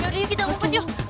yaudah yuk kita ngumpet yuk